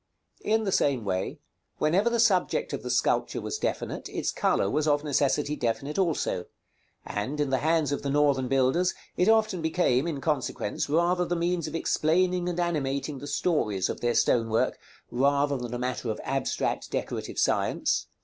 § XLV. In the same way, whenever the subject of the sculpture was definite, its color was of necessity definite also; and, in the hands of the Northern builders, it often became, in consequence, rather the means of explaining and animating the stories of their stone work, than a matter of abstract decorative science.